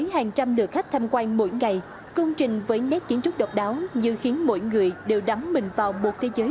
hẹn gặp lại các bạn trong những video tiếp theo